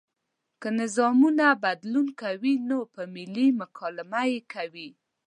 که نظامونه بدلون کوي نو په ملي مکالمه یې کوي.